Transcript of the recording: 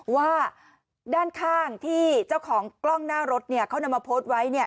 ว่าด้านข้างที่เจ้าของกล้องหน้ารถเขานำมาโพสต์ไว้